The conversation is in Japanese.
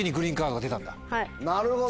なるほど。